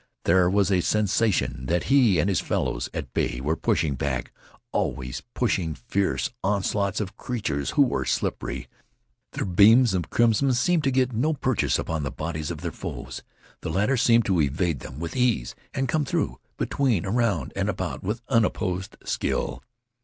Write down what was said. There was a sensation that he and his fellows, at bay, were pushing back, always pushing fierce onslaughts of creatures who were slippery. Their beams of crimson seemed to get no purchase upon the bodies of their foes; the latter seemed to evade them with ease, and come through, between, around, and about with unopposed skill.